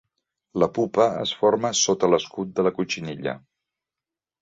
La pupa es forma sota l'escut de la cotxinilla.